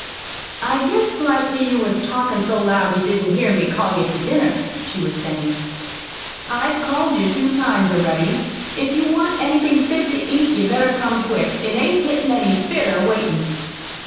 "I guess likely you was talkin' so loud you didn't hear me call you to dinner," she was saying. "I've called you two times already. If you want anything fit to eat you'd better come quick. It ain't gettin' any fitter, waitin'."